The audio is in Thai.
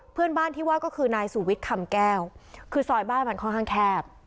เพื่อนบ้านที่ว่าก็คือนายสุวิทย์คำแก้วคือซอยบ้านมันค่อนข้างแคบ